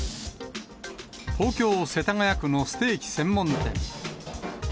東京・世田谷区のステーキ専門店。